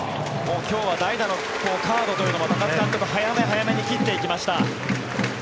今日は代打のカードも高津監督は早め早めに切っていきました。